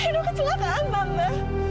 edo kecelakaan tante